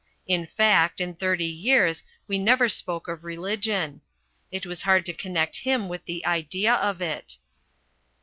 In fact, in thirty years we never spoke of religion. It was hard to connect him with the idea of it.